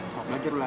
selamat belajar ulan